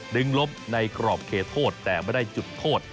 ลบในกรอบเขตโทษแต่ไม่ได้จุดโทษ